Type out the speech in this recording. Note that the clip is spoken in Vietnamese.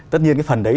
tất nhiên cái phần đấy